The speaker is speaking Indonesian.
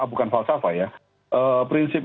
bukan falsafah ya prinsip